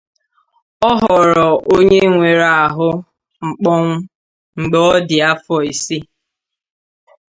Ọ ghọrọ onye nwere ahụ mkpọnwụ mgbe ọ dị afọ ise.